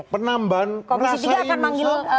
penambahan merasa ini